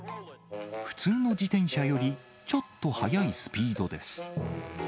普通の自転車より、ちょっと速いスピードです。